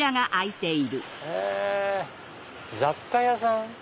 へぇ雑貨屋さん？